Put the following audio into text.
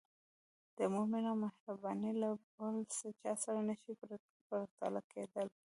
د مور مینه او مهرباني له بل چا سره نه شي پرتله کېدای.